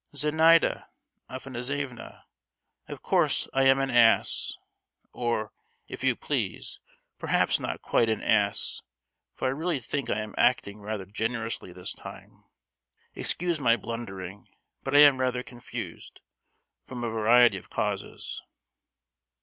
"Zenaida Afanassievna, of course I am an ass, or, if you please, perhaps not quite an ass, for I really think I am acting rather generously this time. Excuse my blundering, but I am rather confused, from a variety of causes."